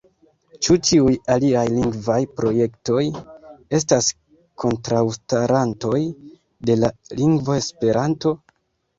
Ĉu ĉiuj aliaj lingvaj projektoj estas kontraŭstarantoj de la lingvo Esperanto?